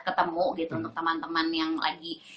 ketemu gitu untuk teman teman yang lagi